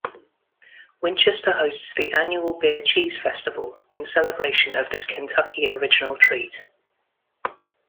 Winchester hosts the annual Beer Cheese Festival in celebration of this Kentucky original treat.